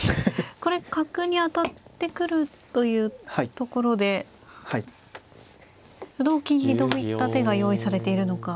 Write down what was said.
これ角に当たってくるというところで同金にどういった手が用意されているのか。